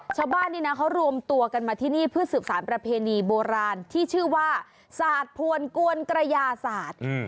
ชาวบ้านนี่นะเขารวมตัวกันมาที่นี่เพื่อสืบสารประเพณีโบราณที่ชื่อว่าศาสตร์พวนกวนกระยาศาสตร์